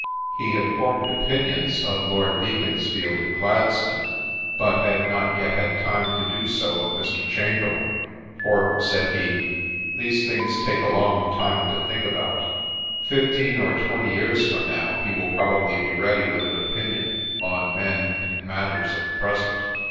He had formed opinions of Lord Beaconsfield and Gladstone, but had not yet had time to do so of Mr. Chamberlain, for, said he, " these things take a long time to think about." Fifteen or twenty years from now, he will probably be ready with an opinion on men and mat ters of the present.